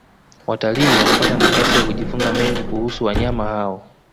watalii wanapata nafasi ya kujifunza mengi kuhusu wanyama hao